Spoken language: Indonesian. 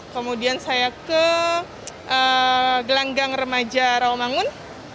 kemudian saya ke gelanggang remaja rawamangun